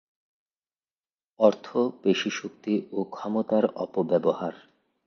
অর্থ, পেশিশক্তি ও ক্ষমতার অপব্যবহার।